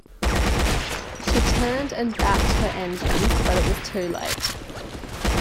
She turned and backed her engines, but it was too late.